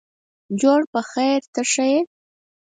جوړ په خیرته ښه یې.